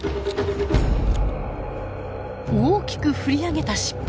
大きく振り上げた尻尾。